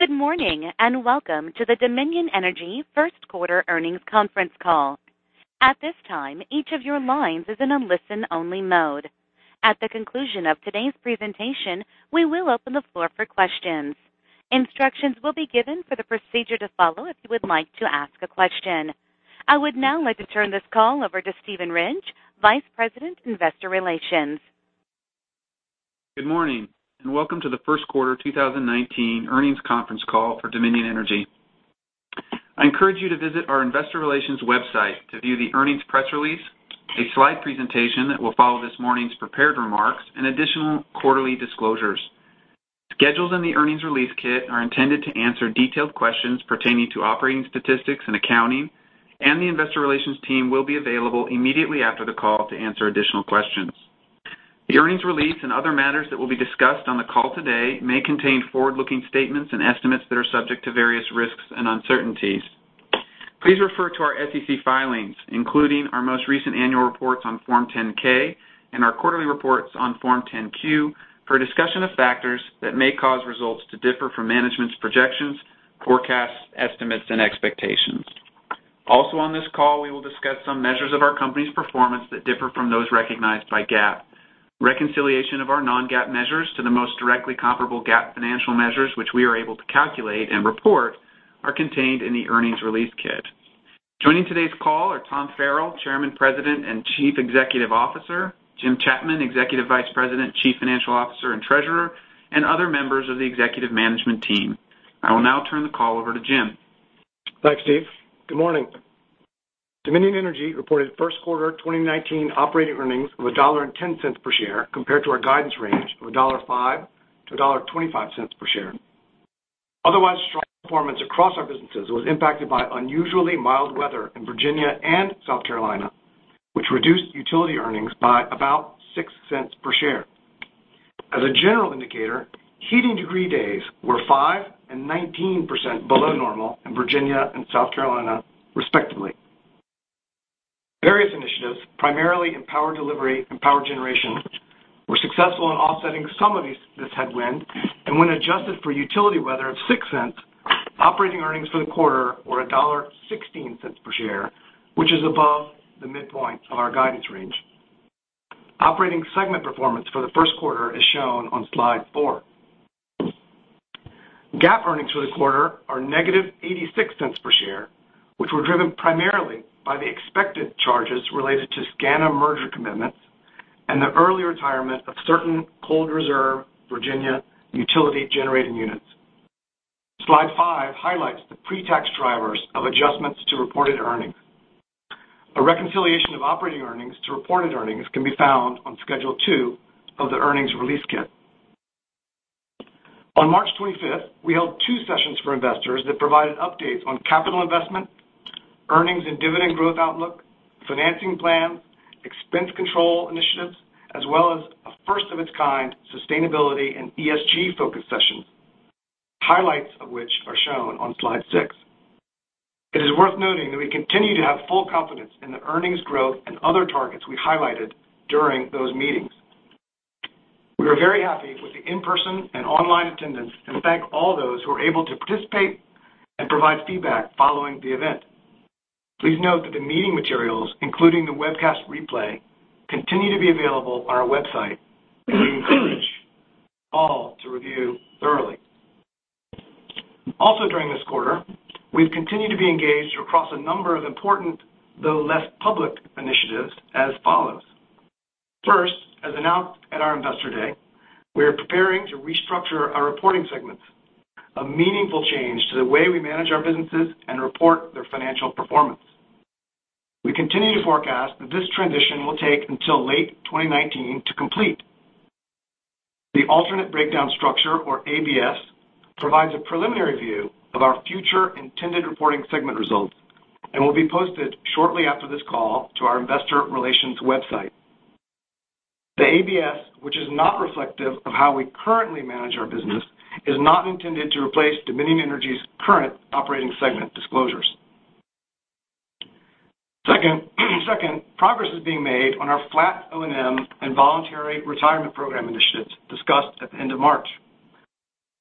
Good morning, welcome to the Dominion Energy first quarter earnings conference call. At this time, each of your lines is in a listen-only mode. At the conclusion of today's presentation, we will open the floor for questions. Instructions will be given for the procedure to follow if you would like to ask a question. I would now like to turn this call over to Steven Ridge, Vice President of Investor Relations. Good morning, welcome to the first quarter 2019 earnings conference call for Dominion Energy. I encourage you to visit our investor relations website to view the earnings press release, a slide presentation that will follow this morning's prepared remarks, and additional quarterly disclosures. Schedules in the earnings release kit are intended to answer detailed questions pertaining to operating statistics and accounting, and the investor relations team will be available immediately after the call to answer additional questions. The earnings release and other matters that will be discussed on the call today may contain forward-looking statements and estimates that are subject to various risks and uncertainties. Please refer to our SEC filings, including our most recent annual reports on Form 10-K and our quarterly reports on Form 10-Q, for a discussion of factors that may cause results to differ from management's projections, forecasts, estimates, and expectations. Also on this call, we will discuss some measures of our company's performance that differ from those recognized by GAAP. Reconciliation of our non-GAAP measures to the most directly comparable GAAP financial measures, which we are able to calculate and report, are contained in the earnings release kit. Joining today's call are Tom Farrell, Chairman, President, and Chief Executive Officer, Jim Chapman, Executive Vice President, Chief Financial Officer, and Treasurer, and other members of the executive management team. I will now turn the call over to Jim. Thanks, Steve. Good morning. Dominion Energy reported first quarter 2019 operating earnings of $1.10 per share compared to our guidance range of $1.05-$1.25 per share. Otherwise strong performance across our businesses was impacted by unusually mild weather in Virginia and South Carolina, which reduced utility earnings by about $0.06 per share. As a general indicator, heating degree days were 5% and 19% below normal in Virginia and South Carolina, respectively. Various initiatives, primarily in power delivery and power generation, were successful in offsetting some of this headwind. When adjusted for utility weather of $0.06, operating earnings for the quarter were $1.16 per share, which is above the midpoint of our guidance range. Operating segment performance for the first quarter is shown on slide four. GAAP earnings for the quarter are negative $0.86 per share, which were driven primarily by the expected charges related to SCANA merger commitments and the early retirement of certain cold reserve Virginia utility-generating units. Slide five highlights the pre-tax drivers of adjustments to reported earnings. A reconciliation of operating earnings to reported earnings can be found on Schedule 2 of the earnings release kit. On March 25th, we held two sessions for investors that provided updates on capital investment, earnings and dividend growth outlook, financing plans, expense control initiatives, as well as a first-of-its-kind sustainability and ESG-focused session, highlights of which are shown on slide six. It is worth noting that we continue to have full confidence in the earnings growth and other targets we highlighted during those meetings. We are very happy with the in-person and online attendance and thank all those who were able to participate and provide feedback following the event. Please note that the meeting materials, including the webcast replay, continue to be available on our website, and we encourage you all to review thoroughly. During this quarter, we've continued to be engaged across a number of important, though less public initiatives as follows. First, as announced at our Investor Day, we are preparing to restructure our reporting segments, a meaningful change to the way we manage our businesses and report their financial performance. We continue to forecast that this transition will take until late 2019 to complete. The Alternate Breakdown Structure, or ABS, provides a preliminary view of our future intended reporting segment results and will be posted shortly after this call to our investor relations website. The ABS, which is not reflective of how we currently manage our business, is not intended to replace Dominion Energy's current operating segment disclosures. Second, progress is being made on our flat O&M and voluntary retirement program initiatives discussed at the end of March.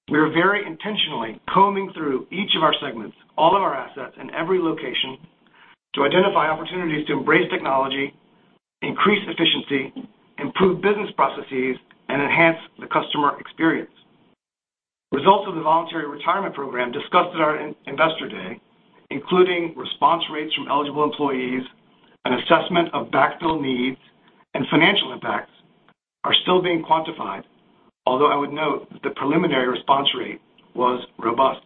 We are very intentionally combing through each of our segments, all of our assets, and every location to identify opportunities to embrace technology, increase efficiency, improve business processes, and enhance the customer experience. Results of the voluntary retirement program discussed at our Investor Day, including response rates from eligible employees and assessment of backfill needs and financial impacts, are still being quantified. I would note that the preliminary response rate was robust.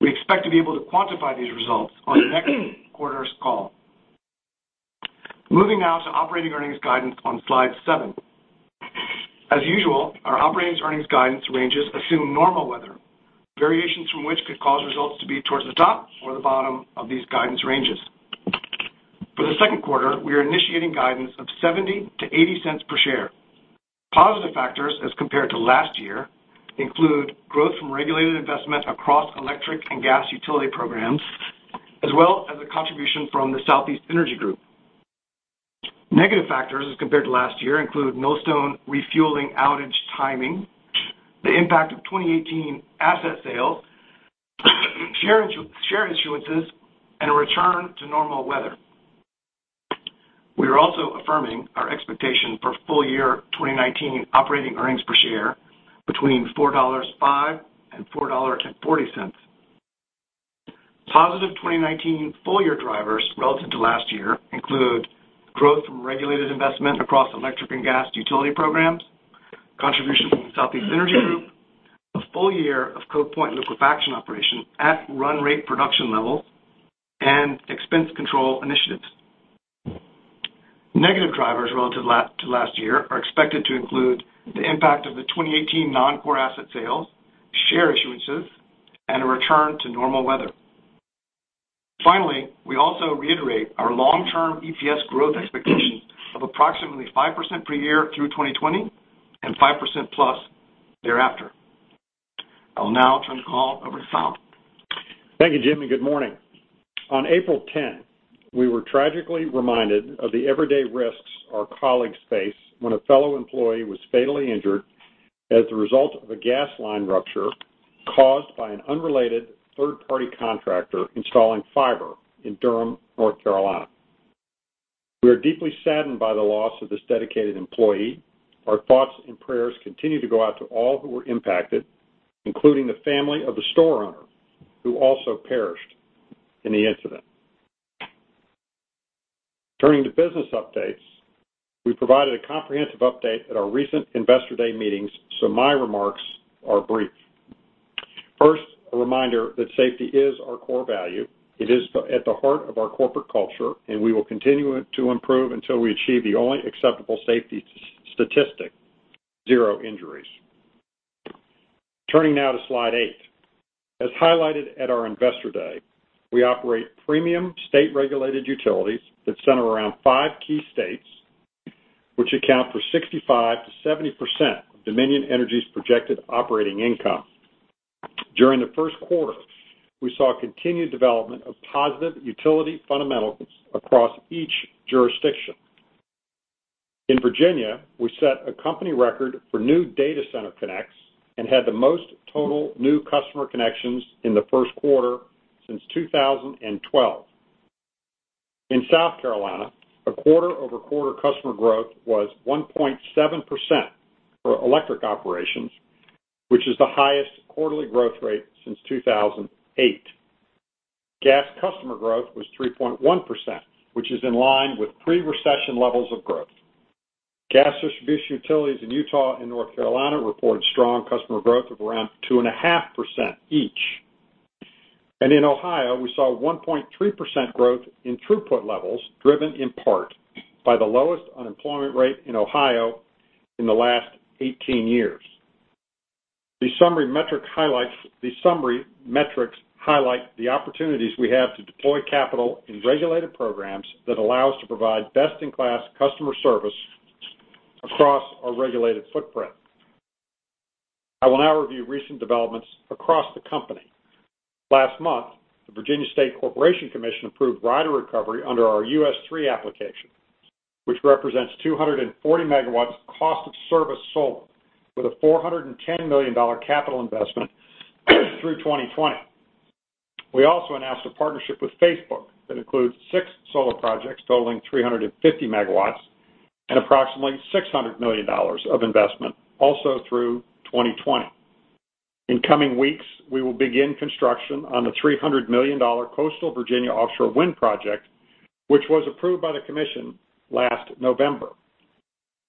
We expect to be able to quantify these results on next quarter's call. Moving now to operating earnings guidance on slide seven. As usual, our operating earnings guidance ranges assume normal weather, variations from which could cause results to be towards the top or the bottom of these guidance ranges. For the second quarter, we are initiating guidance of $0.70 to $0.80 per share. Positive factors as compared to last year include growth from regulated investment across electric and gas utility programs, as well as a contribution from the Southeast Energy Group. Negative factors as compared to last year include Millstone refueling outage timing, the impact of 2018 asset sales, share issuances, and a return to normal weather. We are affirming our expectation for full-year 2019 operating earnings per share between $4.05 and $4.40. Positive 2019 full-year drivers relative to last year include growth from regulated investment across electric and gas utility programs, contribution from Southeast Energy Group, a full year of Cove Point Liquefaction operation at run rate production levels, and expense control initiatives. Negative drivers relative to last year are expected to include the impact of the 2018 non-core asset sales, share issuances, and a return to normal weather. Finally, we also reiterate our long-term EPS growth expectations of approximately 5% per year through 2020, and 5% plus thereafter. I'll now turn the call over to Tom. Thank you, Jim. Good morning. On April 10, we were tragically reminded of the everyday risks our colleagues face when a fellow employee was fatally injured as a result of a gas line rupture caused by an unrelated third-party contractor installing fiber in Durham, North Carolina. We are deeply saddened by the loss of this dedicated employee. Our thoughts and prayers continue to go out to all who were impacted, including the family of the store owner, who also perished in the incident. Turning to business updates. We provided a comprehensive update at our recent Investor Day meetings, my remarks are brief. First, a reminder that safety is our core value. It is at the heart of our corporate culture, and we will continue to improve until we achieve the only acceptable safety statistic, zero injuries. Turning now to slide eight. As highlighted at our Investor Day, we operate premium state-regulated utilities that center around five key states, which account for 65%-70% of Dominion Energy's projected operating income. During the first quarter, we saw continued development of positive utility fundamentals across each jurisdiction. In Virginia, we set a company record for new data center connects and had the most total new customer connections in the first quarter since 2012. In South Carolina, the quarter-over-quarter customer growth was 1.7% for electric operations, which is the highest quarterly growth rate since 2008. Gas customer growth was 3.1%, which is in line with pre-recession levels of growth. Gas distribution utilities in Utah and North Carolina reported strong customer growth of around 2.5% each. In Ohio, we saw 1.3% growth in throughput levels, driven in part by the lowest unemployment rate in Ohio in the last 18 years. The summary metrics highlight the opportunities we have to deploy capital in regulated programs that allow us to provide best-in-class customer service across our regulated footprint. I will now review recent developments across the company. Last month, the Virginia State Corporation Commission approved rider recovery under our US3 application, which represents 240 megawatts of cost of service solar with a $410 million capital investment through 2020. We also announced a partnership with Facebook that includes six solar projects totaling 350 megawatts and approximately $600 million of investment also through 2020. In coming weeks, we will begin construction on the $300 million Coastal Virginia Offshore Wind project, which was approved by the commission last November.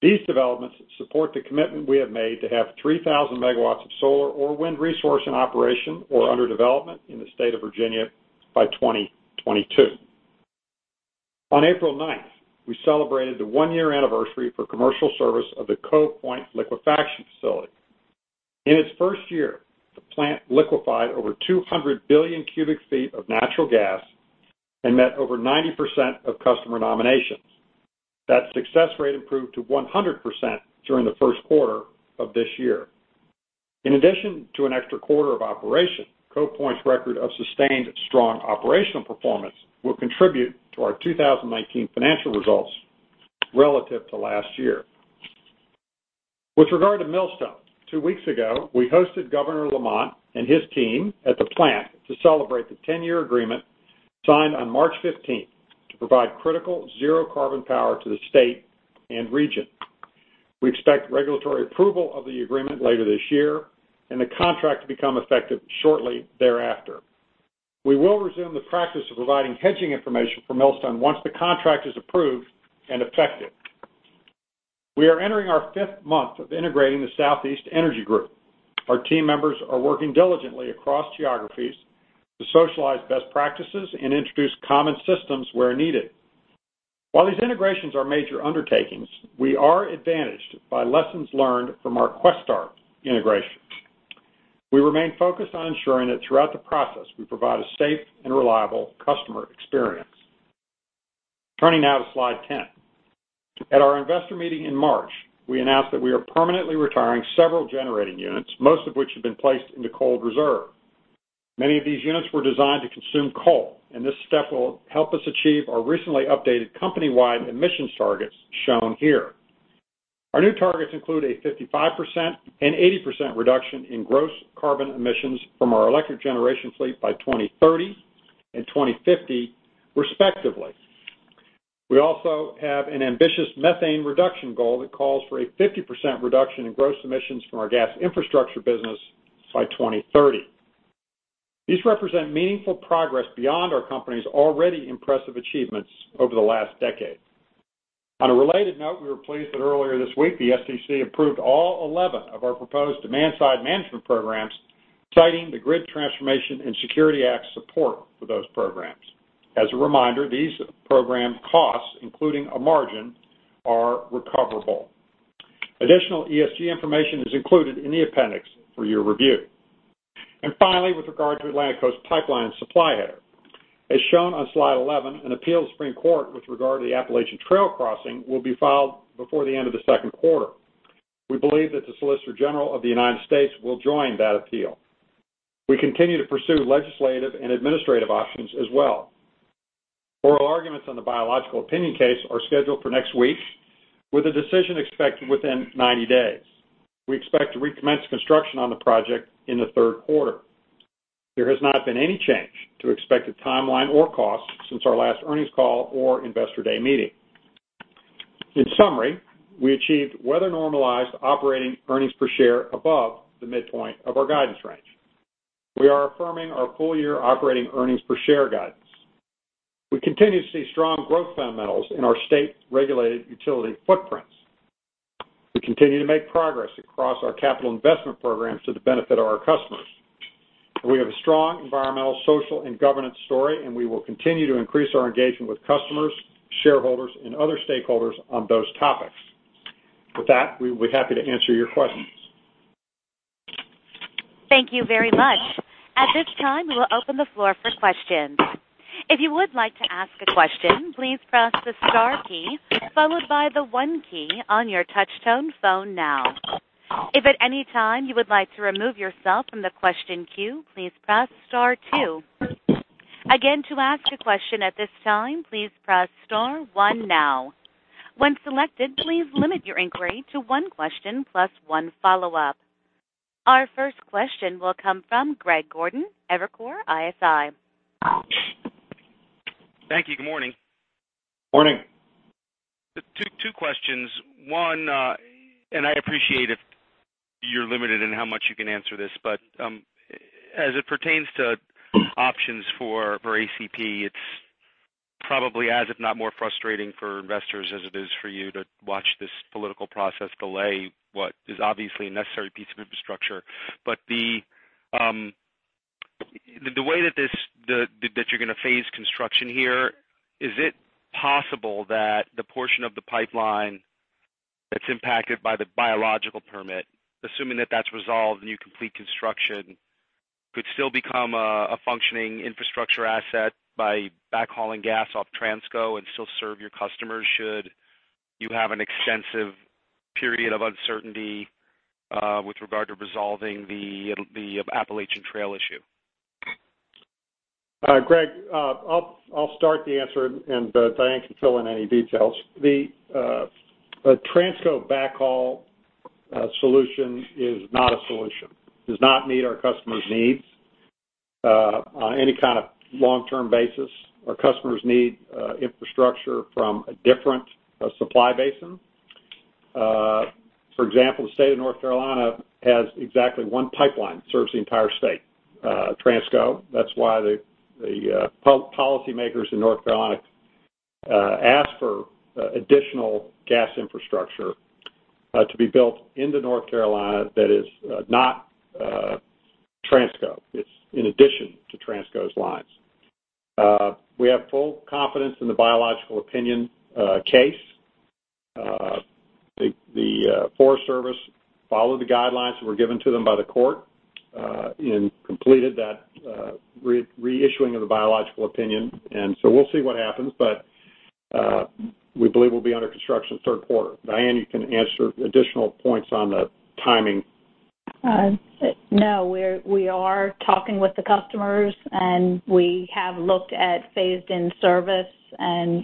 These developments support the commitment we have made to have 3,000 megawatts of solar or wind resource in operation or under development in the state of Virginia by 2022. On April 9th, we celebrated the one-year anniversary for commercial service of the Cove Point Liquefaction facility. In its first year, the plant liquefied over 200 billion cubic feet of natural gas and met over 90% of customer nominations. That success rate improved to 100% during the first quarter of this year. In addition to an extra quarter of operation, Cove Point's record of sustained strong operational performance will contribute to our 2019 financial results relative to last year. With regard to Millstone, two weeks ago, we hosted Governor Lamont and his team at the plant to celebrate the 10-year agreement signed on March 15th to provide critical zero-carbon power to the state and region. We expect regulatory approval of the agreement later this year and the contract to become effective shortly thereafter. We will resume the practice of providing hedging information for Millstone once the contract is approved and effective. We are entering our fifth month of integrating the Southeast Energy Group. Our team members are working diligently across geographies to socialize best practices and introduce common systems where needed. While these integrations are major undertakings, we are advantaged by lessons learned from our Questar integration. We remain focused on ensuring that throughout the process, we provide a safe and reliable customer experience. Turning now to slide 10. At our investor meeting in March, we announced that we are permanently retiring several generating units, most of which have been placed into cold reserve. Many of these units were designed to consume coal, and this step will help us achieve our recently updated company-wide emissions targets shown here. Our new targets include a 55% and 80% reduction in gross carbon emissions from our electric generation fleet by 2030 and 2050 respectively. We also have an ambitious methane reduction goal that calls for a 50% reduction in gross emissions from our gas infrastructure business by 2030. These represent meaningful progress beyond our company's already impressive achievements over the last decade. On a related note, we were pleased that earlier this week, the SEC approved all 11 of our proposed demand-side management programs, citing the Grid Transformation and Security Act's support for those programs. As a reminder, these program costs, including a margin, are recoverable. Additional ESG information is included in the appendix for your review. Finally, with regard to Atlantic Coast Pipeline Supply Header. As shown on slide 11, an appeal to the Supreme Court with regard to the Appalachian Trail crossing will be filed before the end of the second quarter. We believe that the Solicitor General of the United States will join that appeal. We continue to pursue legislative and administrative options as well. Oral arguments on the biological opinion case are scheduled for next week, with a decision expected within 90 days. We expect to recommence construction on the project in the third quarter. There has not been any change to expected timeline or cost since our last earnings call or Investor Day meeting. In summary, we achieved weather-normalized operating earnings per share above the midpoint of our guidance range. We are affirming our full-year operating earnings per share guidance. We continue to see strong growth fundamentals in our state-regulated utility footprints. We continue to make progress across our capital investment programs to the benefit of our customers. We have a strong environmental, social, and governance story, and we will continue to increase our engagement with customers, shareholders, and other stakeholders on those topics. With that, we'd be happy to answer your questions. Thank you very much. At this time, we'll open the floor for questions. If you would like to ask a question, please press the star key followed by the one key on your touch tone phone now. If at any time you would like to remove yourself from the question queue, please press star two. Again, to ask a question at this time, please press star one now. When selected, please limit your inquiry to one question plus one follow-up. Our first question will come from Greg Gordon, Evercore ISI. Thank you. Good morning. Morning. Two questions. One, I appreciate if you're limited in how much you can answer this, but as it pertains to options for ACP, it's probably as if not more frustrating for investors as it is for you to watch this political process delay what is obviously a necessary piece of infrastructure. The way that you're going to phase construction here, is it possible that the portion of the pipeline that's impacted by the biological opinion, assuming that that's resolved and you complete construction, could still become a functioning infrastructure asset by backhauling gas off Transco and still serve your customers should you have an extensive period of uncertainty with regard to resolving the Appalachian Trail issue? Greg, I'll start the answer, and Diane can fill in any details. The Transco backhaul solution is not a solution. Does not meet our customers' needs on any kind of long-term basis. Our customers need infrastructure from a different supply basin. For example, the state of North Carolina has exactly one pipeline that serves the entire state, Transco. That's why the policymakers in North Carolina asked for additional gas infrastructure to be built into North Carolina that is not Transco. It's in addition to Transco's lines. We have full confidence in the biological opinion case. The Forest Service followed the guidelines that were given to them by the court and completed that reissuing of the biological opinion. We'll see what happens, but we believe we'll be under construction third quarter. Diane, you can answer additional points on the timing. No. We are talking with the customers, and we have looked at phased-in service, and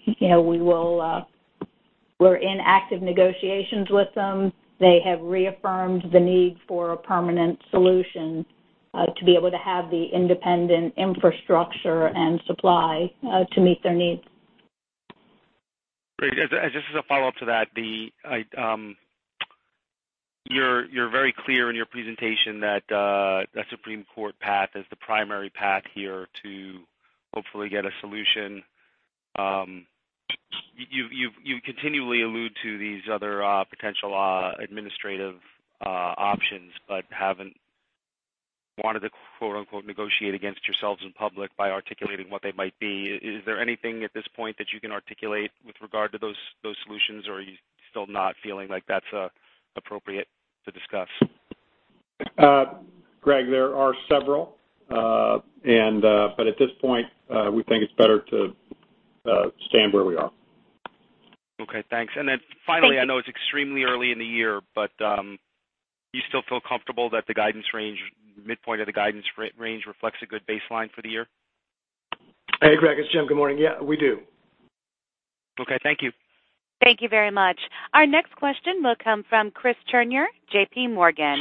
we're in active negotiations with them. They have reaffirmed the need for a permanent solution to be able to have the independent infrastructure and supply to meet their needs. Great. Just as a follow-up to that, you're very clear in your presentation that the Supreme Court path is the primary path here to hopefully get a solution. You continually allude to these other potential administrative options, but haven't wanted to, quote unquote, negotiate against yourselves in public by articulating what they might be. Is there anything at this point that you can articulate with regard to those solutions, or are you still not feeling like that's appropriate to discuss? Greg, there are several. At this point, we think it's better to stand where we are. Okay, thanks. Thank you I know it's extremely early in the year, do you still feel comfortable that the midpoint of the guidance range reflects a good baseline for the year? Hey, Greg, it's Jim. Good morning. Yeah, we do. Okay, thank you. Thank you very much. Our next question will come from Christopher Turnure, JPMorgan.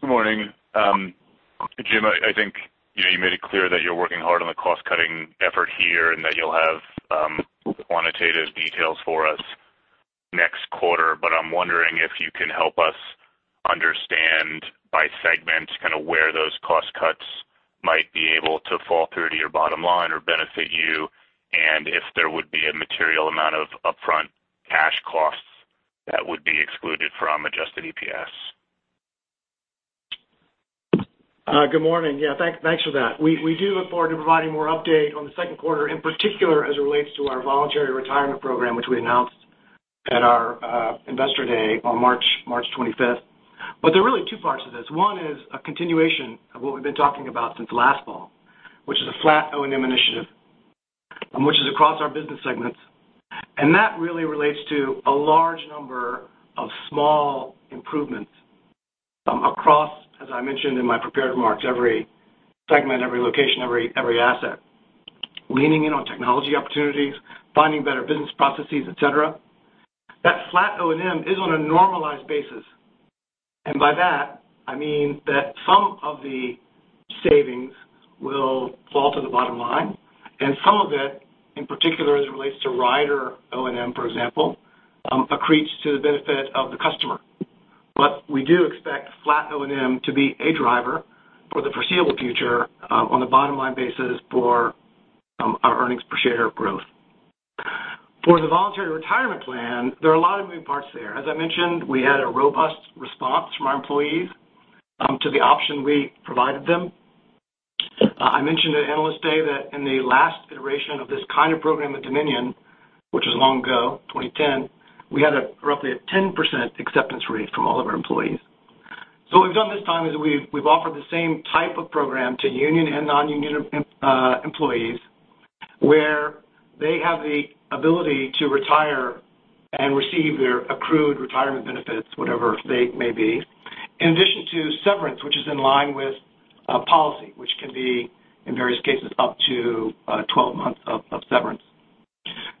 Good morning. Jim, I think you made it clear that you're working hard on the cost-cutting effort here, and that you'll have quantitative details for us next quarter. I'm wondering if you can help us understand, by segment, where those cost cuts might be able to fall through to your bottom line or benefit you, and if there would be a material amount of upfront cash costs that would be excluded from adjusted EPS. Good morning. Yeah, thanks for that. We do look forward to providing more update on the second quarter, in particular as it relates to our Voluntary Retirement Program, which we announced at our Investor Day on March 25th. There are really two parts to this. One is a continuation of what we've been talking about since last fall, which is a flat O&M initiative, which is across our business segments. That really relates to a large number of small improvements across, as I mentioned in my prepared remarks, every segment, every location, every asset. Leaning in on technology opportunities, finding better business processes, et cetera. That flat O&M is on a normalized basis. By that, I mean that some of the savings will fall to the bottom line, and some of it, in particular as it relates to rider O&M, for example, accretes to the benefit of the customer. We do expect flat O&M to be a driver for the foreseeable future on a bottom-line basis for our earnings per share growth. For the voluntary retirement plan, there are a lot of moving parts there. As I mentioned, we had a robust response from our employees to the option we provided them. I mentioned at Analyst Day that in the last iteration of this kind of program at Dominion, which was long ago, 2010, we had roughly a 10% acceptance rate from all of our employees. What we've done this time is we've offered the same type of program to union and non-union employees, where they have the ability to retire and receive their accrued retirement benefits, whatever they may be, in addition to severance, which is in line with policy, which can be, in various cases, up to 12 months of severance.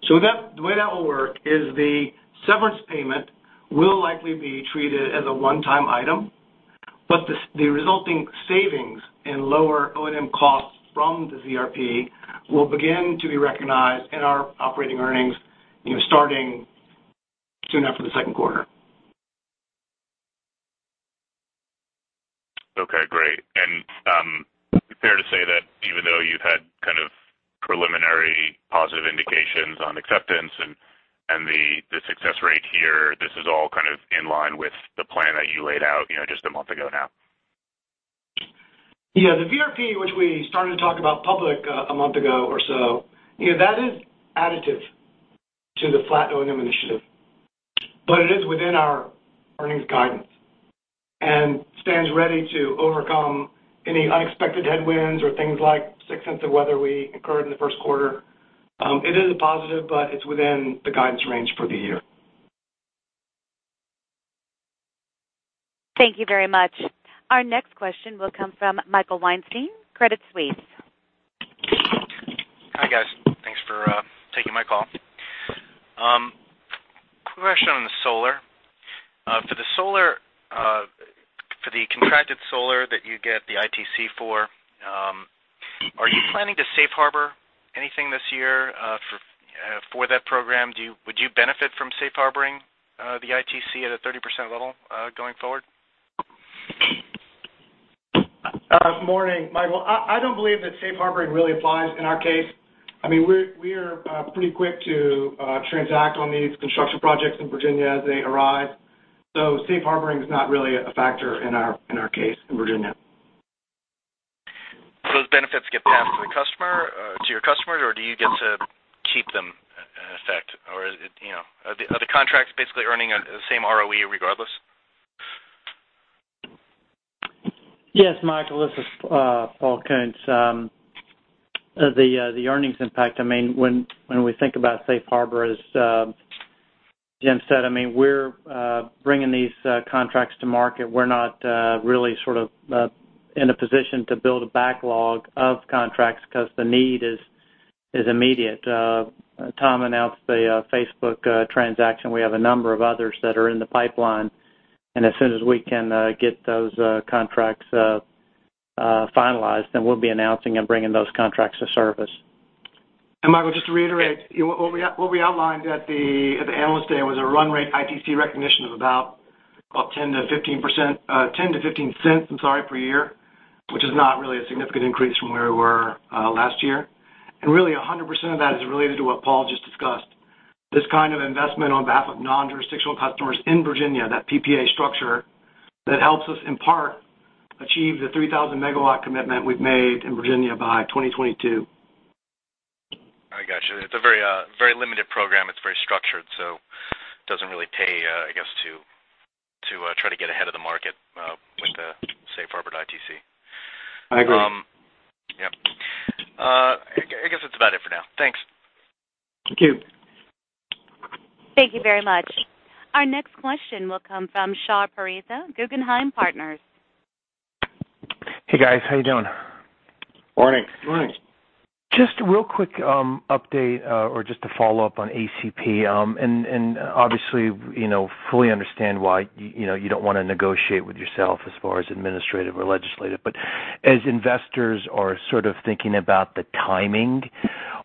The way that will work is the severance payment will likely be treated as a one-time item. The resulting savings in lower O&M costs from the VRP will begin to be recognized in our operating earnings starting soon after the second quarter. Okay, great. Fair to say that even though you've had preliminary positive indications on acceptance and the success rate here, this is all in line with the plan that you laid out just a month ago now? Yeah. The VRP, which we started to talk about public a month ago or so, that is additive to the flat O&M initiative. It is within our earnings guidance and stands ready to overcome any unexpected headwinds or things like the sixth sense of weather we incurred in the first quarter. It is a positive, but it's within the guidance range for the year. Thank you very much. Our next question will come from Michael Weinstein, Credit Suisse. Hi, guys. Thanks for taking my call. Quick question on the solar. For the contracted solar that you get the ITC for, are you planning to safe harbor anything this year for that program? Would you benefit from safe harboring the ITC at a 30% level going forward? Morning, Michael. I don't believe that safe harboring really applies in our case. We are pretty quick to transact on these construction projects in Virginia as they arrive. Safe harboring is not really a factor in our case in Virginia. Those benefits get passed to your customers, or do you get to keep them in effect? Are the contracts basically earning the same ROE regardless? Yes, Michael. This is Paul Koonce. The earnings impact, when we think about safe harbor, as Jim said, we're bringing these contracts to market. We're not really in a position to build a backlog of contracts because the need is immediate. Tom announced the Facebook transaction. We have a number of others that are in the pipeline. As soon as we can get those contracts finalized, we'll be announcing and bringing those contracts to service. Michael, just to reiterate, what we outlined at the Analyst Day was a run rate ITC recognition of about $0.10-$0.15 per year, which is not really a significant increase from where we were last year. Really, 100% of that is related to what Paul just discussed. This kind of investment on behalf of non-jurisdictional customers in Virginia, that PPA structure, that helps us in part achieve the 3,000-megawatt commitment we've made in Virginia by 2022. I got you. It's a very limited program. It's very structured, so it doesn't really pay to try to get ahead of the market. I agree. Yep. I guess that's about it for now. Thanks. Thank you. Thank you very much. Our next question will come from Shahriar Pourreza, Guggenheim Partners. Hey, guys. How you doing? Morning. Morning. Just a real quick update, or just a follow-up on ACP. Obviously, fully understand why you don't want to negotiate with yourself as far as administrative or legislative, as investors are sort of thinking about the timing,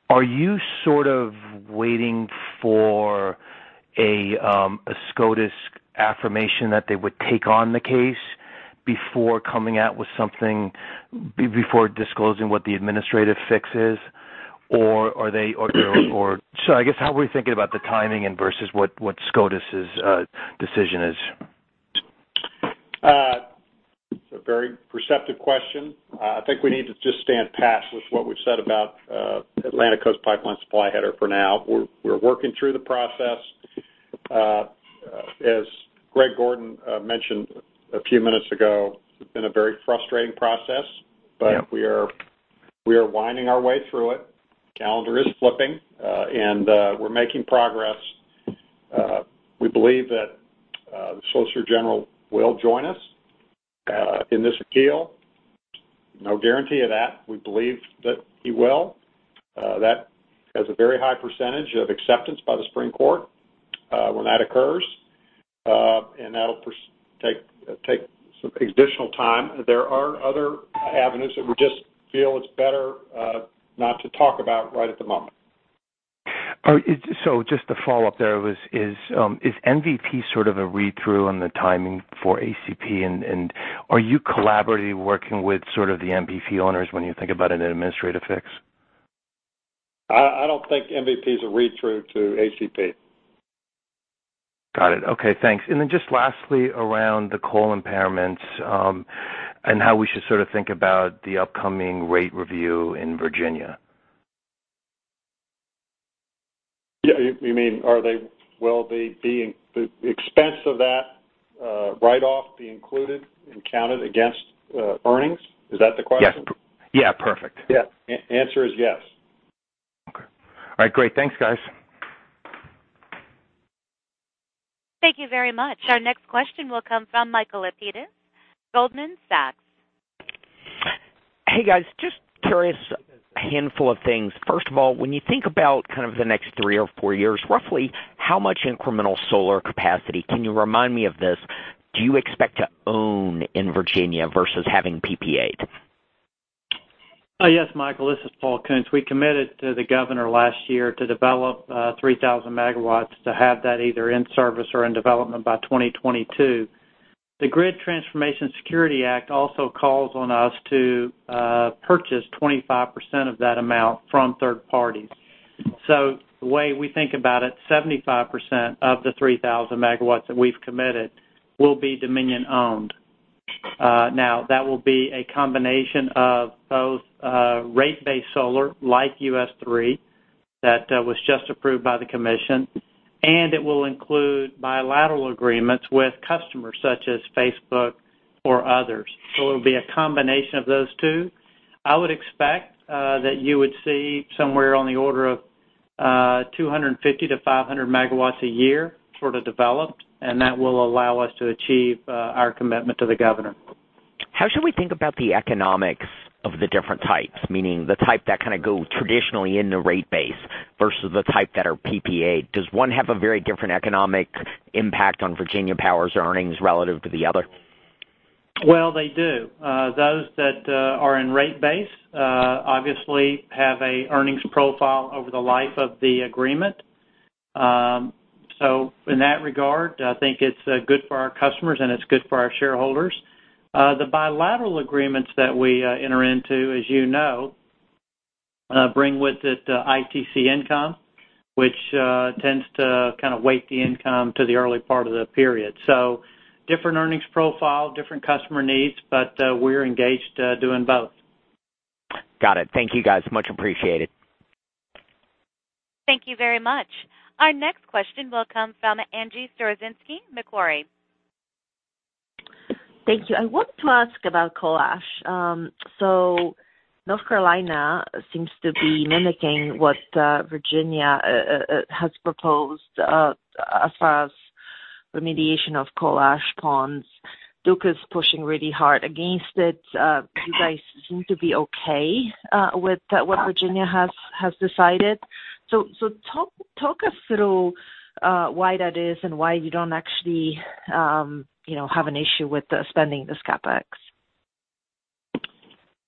are you sort of waiting for a SCOTUS affirmation that they would take on the case before coming out with something, before disclosing what the administrative fix is? I guess, how are we thinking about the timing and versus what SCOTUS's decision is? It's a very perceptive question. I think we need to just stand pat with what we've said about Atlantic Coast Pipeline Supply Header for now. We're working through the process. As Greg Gordon mentioned a few minutes ago, it's been a very frustrating process. Yep We are winding our way through it. Calendar is flipping, and we're making progress. We believe that the Solicitor General will join us in this appeal. No guarantee of that. We believe that he will. That has a very high % of acceptance by the Supreme Court when that occurs, and that'll take some additional time. There are other avenues that we just feel it's better not to talk about right at the moment. Just to follow up there, is MVP sort of a read-through on the timing for ACP, are you collaboratively working with sort of the MVP owners when you think about an administrative fix? I don't think MVP is a read-through to ACP. Got it. Okay, thanks. Lastly, around the coal impairments, and how we should sort of think about the upcoming rate review in Virginia. Yeah. You mean, will the expense of that write-off be included and counted against earnings? Is that the question? Yes. Yeah, perfect. Yeah. Answer is yes. Okay. All right. Great. Thanks, guys. Thank you very much. Our next question will come from Michael Lapides, Goldman Sachs. Hey, guys. Just curious, a handful of things. First of all, when you think about kind of the next three or four years, roughly how much incremental solar capacity, can you remind me of this, do you expect to own in Virginia versus having PPAs? Yes, Michael. This is Paul Koonce. We committed to the governor last year to develop 3,000 megawatts to have that either in service or in development by 2022. The Grid Transformation and Security Act also calls on us to purchase 25% of that amount from third parties. The way we think about it, 75% of the 3,000 megawatts that we've committed will be Dominion-owned. That will be a combination of both rate-based solar, like US-3, that was just approved by the commission, and it will include bilateral agreements with customers such as Facebook or others. It will be a combination of those two. I would expect that you would see somewhere on the order of 250-500 megawatts a year sort of developed, and that will allow us to achieve our commitment to the governor. How should we think about the economics of the different types, meaning the type that kind of go traditionally in the rate base versus the type that are PPA? Does one have a very different economic impact on Virginia Power's earnings relative to the other? Well, they do. Those that are in rate base obviously have an earnings profile over the life of the agreement. In that regard, I think it's good for our customers, and it's good for our shareholders. The bilateral agreements that we enter into, as you know, bring with it ITC income, which tends to kind of weight the income to the early part of the period. Different earnings profile, different customer needs, but we're engaged doing both. Got it. Thank you, guys. Much appreciated. Thank you very much. Our next question will come from Angie Storozynski, Macquarie. Thank you. I want to ask about coal ash. North Carolina seems to be mimicking what Virginia has proposed as far as remediation of coal ash ponds. Duke is pushing really hard against it. Do you guys seem to be okay with what Virginia has decided? Talk us through why that is and why you don't actually have an issue with spending this CapEx.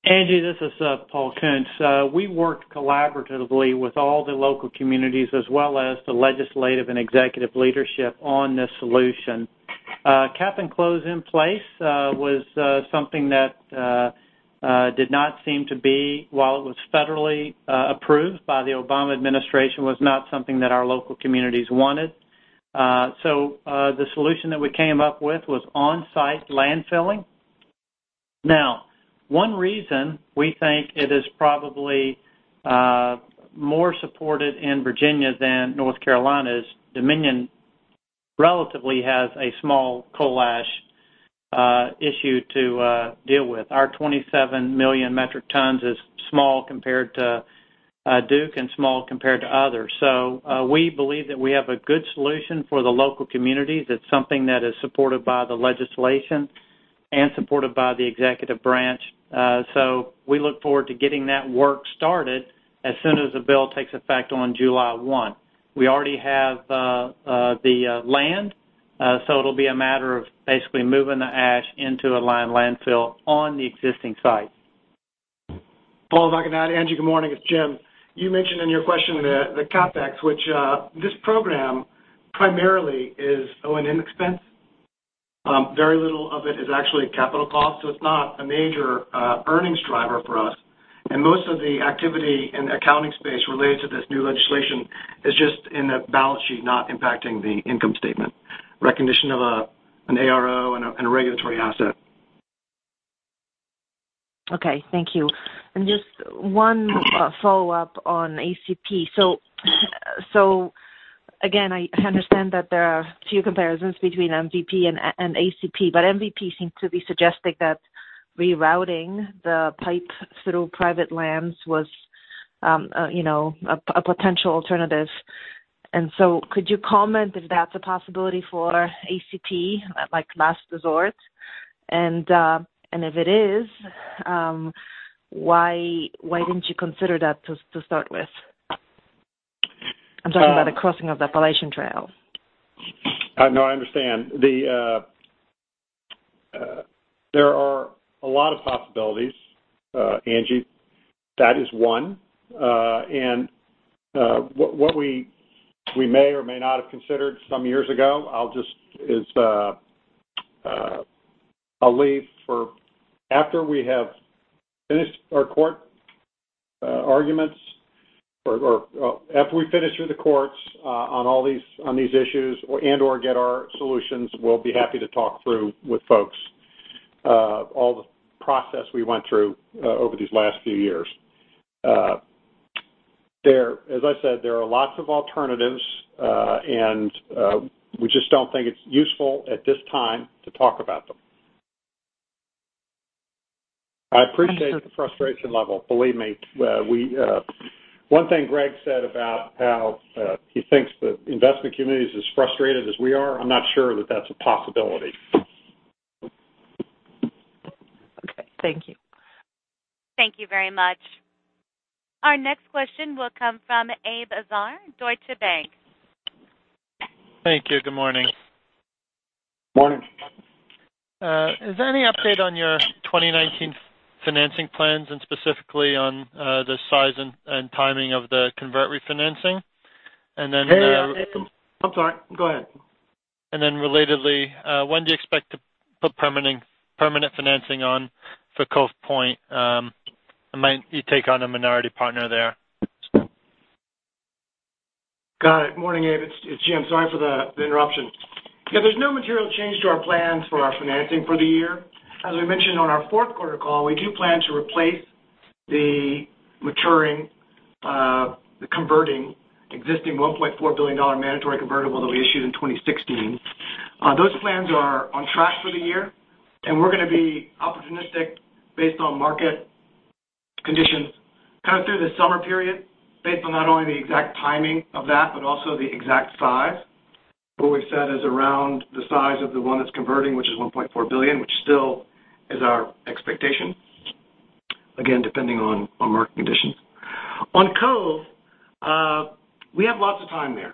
Angie, this is Paul Koonce. We worked collaboratively with all the local communities as well as the legislative and executive leadership on this solution. Cap and close in place was something that did not seem to be, while it was federally approved by the Obama administration, was not something that our local communities wanted. The solution that we came up with was on-site landfilling. Now, one reason we think it is probably more supported in Virginia than North Carolina is Dominion relatively has a small coal ash issue to deal with. Our 27 million metric tons is small compared to Duke and small compared to others. We believe that we have a good solution for the local communities. It's something that is supported by the legislation and supported by the executive branch. We look forward to getting that work started as soon as the bill takes effect on July 1. We already have the land, so it'll be a matter of basically moving the ash into a lined landfill on the existing site. Paul Zioch, Angie, good morning. It's Jim. You mentioned in your question the CapEx, which this program primarily is O&M expense. Very little of it is actually capital cost, so it's not a major earnings driver for us. Most of the activity in the accounting space related to this new legislation is just in the balance sheet, not impacting the income statement. Recognition of an ARO and a regulatory asset. Okay, thank you. Just one follow-up on ACP. Again, I understand that there are few comparisons between MVP and ACP, MVP seemed to be suggesting that rerouting the pipe through private lands was a potential alternative. Could you comment if that's a possibility for ACP, like last resort? If it is, why didn't you consider that to start with? I'm talking about a crossing of the Appalachian Trail. No, I understand. There are a lot of possibilities, Angie. That is one. What we may or may not have considered some years ago, I'll leave for after we have finished our court arguments or after we finish through the courts on these issues and/or get our solutions, we'll be happy to talk through with folks all the process we went through over these last few years. As I said, there are lots of alternatives, we just don't think it's useful at this time to talk about them. I appreciate the frustration level. Believe me. One thing Greg said about how he thinks the investment community is as frustrated as we are, I'm not sure that that's a possibility. Okay. Thank you. Thank you very much. Our next question will come from Abe Azar, Deutsche Bank. Thank you. Good morning. Morning. Is there any update on your 2019 financing plans and specifically on the size and timing of the convert refinancing? I'm sorry, go ahead. Relatedly, when do you expect to put permanent financing on for Cove Point? Might you take on a minority partner there? Got it. Morning, Abe. It's Jim. Sorry for the interruption. There's no material change to our plans for our financing for the year. As we mentioned on our fourth quarter call, we do plan to replace the maturing, the converting existing $1.4 billion mandatory convertible that we issued in 2016. Those plans are on track for the year, we're going to be opportunistic based on market conditions kind of through the summer period, based on not only the exact timing of that but also the exact size. What we've said is around the size of the one that's converting, which is $1.4 billion, which still is our expectation, again, depending on market conditions. On Cove, we have lots of time there.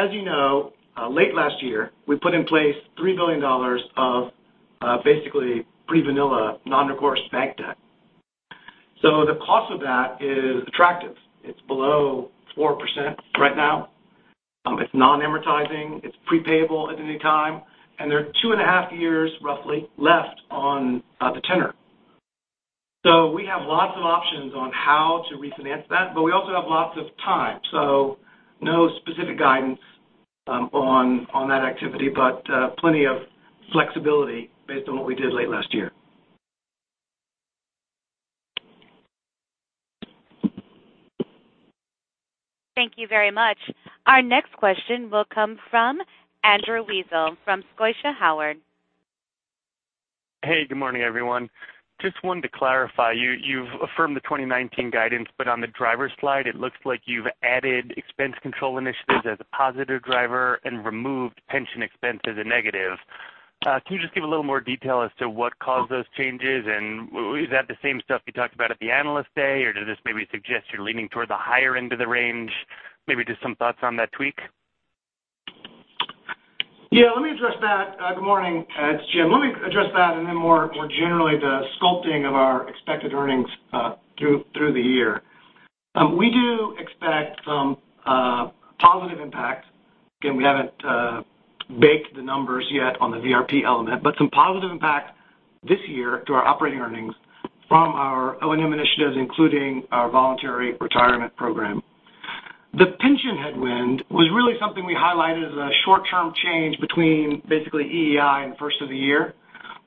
As you know, late last year, we put in place $3 billion of basically pretty vanilla non-recourse bank debt. The cost of that is attractive. It's below 4% right now. It's non-amortizing, it's pre-payable at any time, and there are 2 and a half years roughly left on the tenor. We have lots of options on how to refinance that, we also have lots of time. No specific guidance on that activity, plenty of flexibility based on what we did late last year. Thank you very much. Our next question will come from Andrew Weisel from Scotiabank. Good morning, everyone. Just wanted to clarify, you've affirmed the 2019 guidance, but on the driver slide, it looks like you've added expense control initiatives as a positive driver and removed pension expense as a negative. Can you just give a little more detail as to what caused those changes? Is that the same stuff you talked about at the Analyst Day, or does this maybe suggest you're leaning towards the higher end of the range? Maybe just some thoughts on that tweak. Yeah, let me address that. Good morning. It's Jim. Let me address that and then more generally the sculpting of our expected earnings through the year. We do expect some positive impact. Again, we haven't baked the numbers yet on the VRP element, but some positive impact this year to our operating earnings from our O&M initiatives, including our voluntary retirement program. The pension headwind was really something we highlighted as a short-term change between basically EEI and first of the year.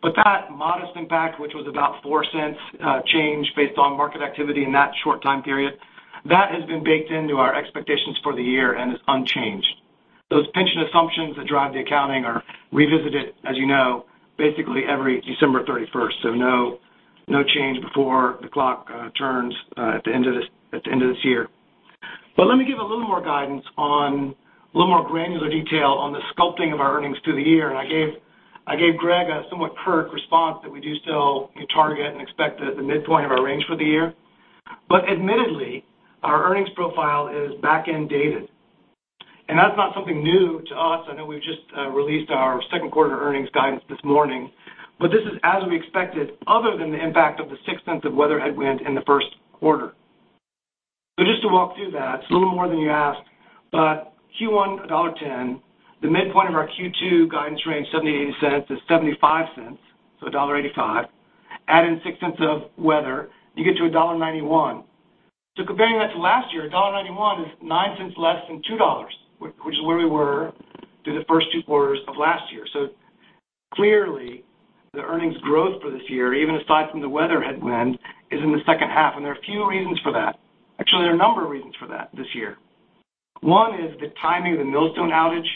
That modest impact, which was about $0.04 change based on market activity in that short time period, that has been baked into our expectations for the year and is unchanged. Those pension assumptions that drive the accounting are revisited, as you know, basically every December 31st. No change before the clock turns at the end of this year. Let me give a little more granular detail on the sculpting of our earnings through the year. I gave Greg a somewhat curt response that we do still target and expect the midpoint of our range for the year. Admittedly, our earnings profile is back-end dated. That's not something new to us. I know we've just released our second quarter earnings guidance this morning, but this is as we expected other than the impact of the $0.06 of weather headwind in the first quarter. Just to walk through that, it's a little more than you asked, but Q1, $1.10, the midpoint of our Q2 guidance range, $0.70 to $0.80, to $0.75. $1.85. Add in $0.06 of weather, you get to $1.91. Comparing that to last year, $1.91 is $0.09 less than $2, which is where we were through the first two quarters of last year. Clearly, the earnings growth for this year, even aside from the weather headwind, is in the second half. There are a few reasons for that. Actually, there are a number of reasons for that this year. One is the timing of the Millstone outage,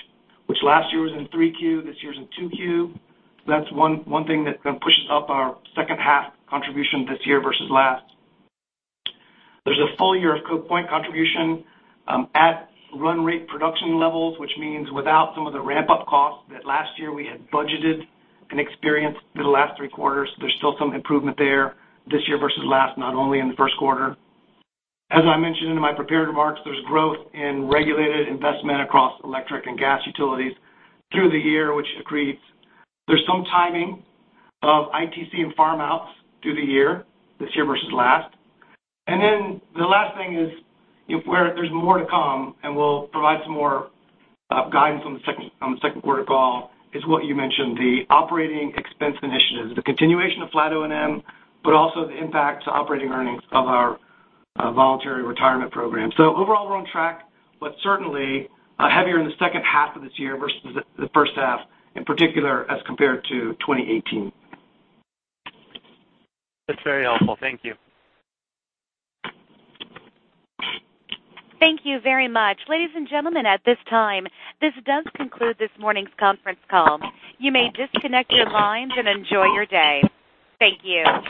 which last year was in Q3, this year is in Q2. That's one thing that kind of pushes up our second half contribution this year versus last. There's a full year of Cove Point contribution at run rate production levels, which means without some of the ramp-up costs that last year we had budgeted and experienced through the last three quarters. There's still some improvement there this year versus last, not only in the first quarter. As I mentioned in my prepared remarks, there's growth in regulated investment across electric and gas utilities through the year, which accretes. There's some timing of ITC and farm-outs through the year, this year versus last. The last thing is where there's more to come, and we'll provide some more guidance on the second quarter call, is what you mentioned, the operating expense initiatives. The continuation of flat O&M, but also the impact to operating earnings of our voluntary retirement program. Overall, we're on track, but certainly heavier in the second half of this year versus the first half in particular as compared to 2018. That's very helpful. Thank you. Thank you very much. Ladies and gentlemen, at this time, this does conclude this morning's conference call. You may disconnect your lines and enjoy your day. Thank you.